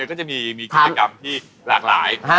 ก็จะมีกิจกรรมที่หลากหลาย